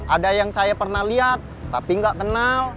ada yang saya pernah lihat tapi nggak kenal